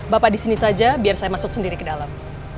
bapak di sini saja biar saya masuk sendiri ke dalam